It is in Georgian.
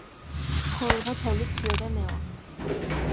მხოლოდღა თოვლი ცვიოდა ნელა.